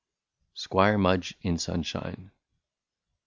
190 SQUIRE MUDGE IN SUNSHINE.